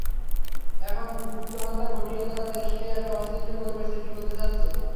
এখন গুপ্তহত্যা ঘটিয়ে তারা দেশে একটা অস্থিতিশীল পরিবেশ সৃষ্টি করতে চাচ্ছে।